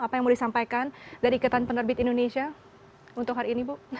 apa yang mau disampaikan dari ikatan penerbit indonesia untuk hari ini bu